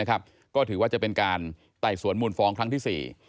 ก็ถือว่าจะเป็นการไต่สวนมูลฟ้องครั้งที่๔